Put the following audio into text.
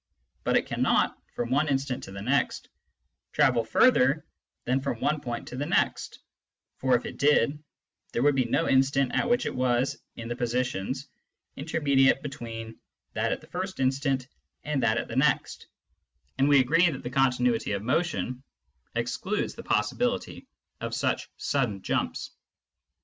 But it cannot, from one instant to the next, travel further than from one point to the next, for if it did, there would be no instant at which it was in the positions intermediate between that at the first instant and that at the next, and we agreed that the continuity of motion excludes the possibility of such sudden jumps.